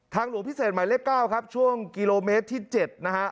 ทางหลวงพิเศษหมายเลขเก้าครับช่วงกิโลเมตรที่เจ็ดนะฮะ